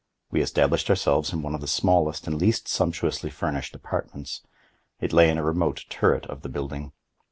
We established ourselves in one of the smallest and least sumptuously furnished apartments. It lay in a remote turret of the building.